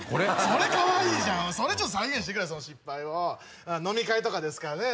それかわいいじゃんそれ再現してくれその失敗を飲み会とかですかね